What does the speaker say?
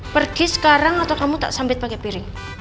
pergi sekarang atau kamu tak sampai pakai piring